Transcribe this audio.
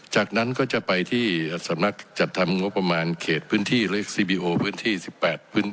จากนั้นก็จะไปที่สำนักจัดทำงบุญประมาณเขตพื้นที่เลขพื้นที่สิบแปด